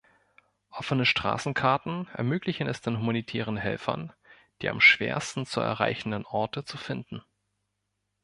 Offene Straßenkarten ermöglichen es den humanitären Helfern, die am schwersten zu erreichenden Orte zu finden.